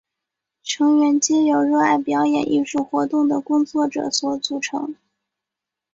成员皆由热爱表演艺术活动的工作者所组成。